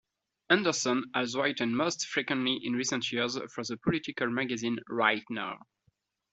Henderson has written most frequently in recent years for the political magazine Right Now!